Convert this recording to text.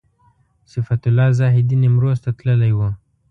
صفت الله زاهدي نیمروز ته تللی و.